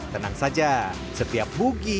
tenang saja setiap bugi